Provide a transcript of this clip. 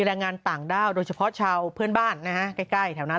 แรงงานต่างด้าวโดยเฉพาะชาวเพื่อนบ้านนะฮะใกล้แถวนั้น